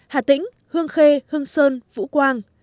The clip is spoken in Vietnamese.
hà tĩnh hương khê hương sơn vũ quang